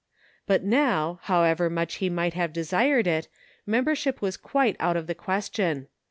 But now, however much he might have desired it, membership was quite out of the question.